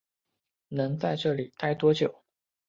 能在这里待多久